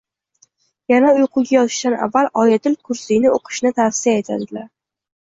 yana uyquga yotishdan oldin “Oyatul kursiy”ni o‘qish tavsiya etiladi.